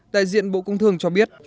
đại diện bộ công thương cho biết